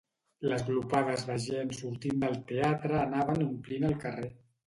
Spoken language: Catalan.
Les glopades de gent sortint del teatre anaven omplint el carrer.